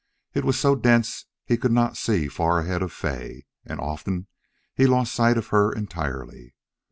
It was so dense he could not see far ahead of Fay, and often he lost sight of her entirely.